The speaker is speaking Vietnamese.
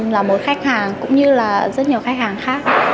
là một khách hàng cũng như là rất nhiều khách hàng khác